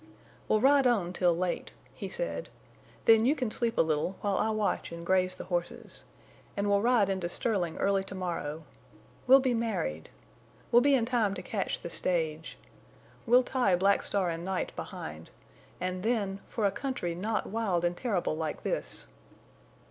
"We'll ride on till late," he said. "Then you can sleep a little, while I watch and graze the horses. And we'll ride into Sterling early to morrow. We'll be married!... We'll be in time to catch the stage. We'll tie Black Star and Night behind—and then—for a country not wild and terrible like this!"